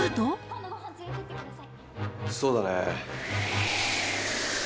そうだね。